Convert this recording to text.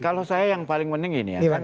kalau saya yang paling penting ini ya